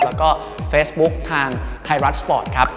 แล้วก็เฟซบุ๊คทางไทยรัฐสปอร์ตครับ